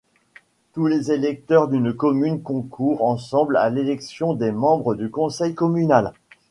Tous les électeurs d'une commune concourent ensemble à l'élection des membres du conseil communal.